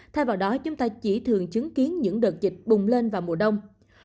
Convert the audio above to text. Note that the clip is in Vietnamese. thay vào đó chúng ta chỉ thường chứng kiến những đợt dịch bùng lên vào mùa đông